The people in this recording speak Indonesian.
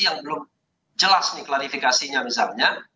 yang belum jelas nih klarifikasinya misalnya